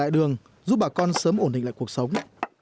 tại đường giúp bà con sớm ổn định lại cuộc sống